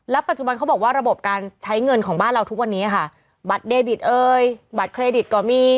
ปัจจุบันเขาบอกว่าระบบการใช้เงินของบ้านเราทุกวันนี้ค่ะบัตรเดบิตเอ่ยบัตรเครดิตก็มี